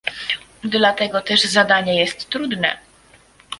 Dlatego też zadanie jest trudne